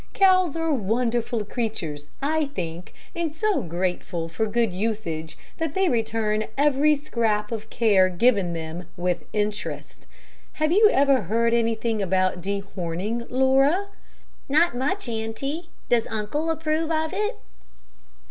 Cows are wonderful creatures, I think, and so grateful for good usage that they return every scrap of care given them, with interest. Have you ever heard anything about dehorning, Laura?" "Not much, auntie. Does uncle approve of it?"